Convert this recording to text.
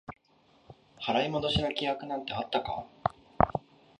払い戻しの規約なんてあったか？